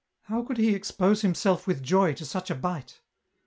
How could he expos himself with joy to such a bite